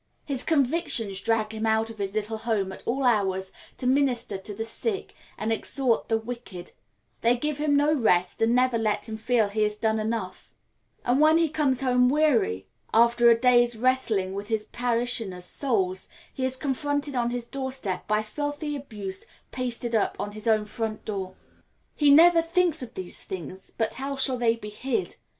His convictions drag him out of his little home at all hours to minister to the sick and exhort the wicked; they give him no rest, and never let him feel he has done enough; and when he comes home weary, after a day's wrestling with his parishioners' souls, he is confronted on his doorstep by filthy abuse pasted up on his own front door. He never speaks of these things, but how shall they be hid?